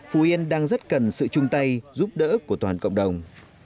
phú yên đang rất cần sự chung tay giúp đỡ của toàn cộng đồng